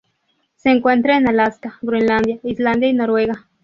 Se encuentra en Alaska, Groenlandia, Islandia y Noruega.